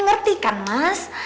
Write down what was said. ngerti kan mas